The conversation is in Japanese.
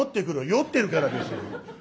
酔ってるからですよ。